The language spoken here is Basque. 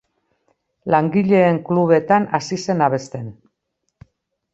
Langileen klubetan hasi zen abesten.